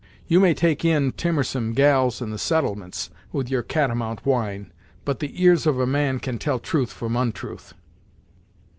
You may take in timorsome gals in the settlements, with your catamount whine, but the ears of a man can tell truth from ontruth."